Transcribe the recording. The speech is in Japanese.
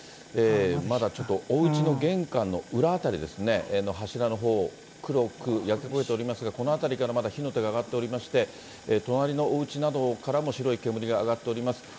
まだちょっと、おうちの玄関の裏辺りの柱のほう、黒く焼け焦げておりますが、この辺りからまだ火の手が上がっておりまして、隣のおうちなどからも白い煙が上がっております。